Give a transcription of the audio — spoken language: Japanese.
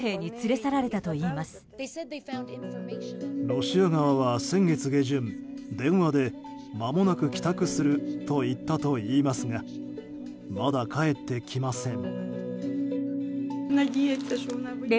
ロシア側は先月下旬、電話でまもなく帰宅すると言ったといいますがまだ帰ってきません。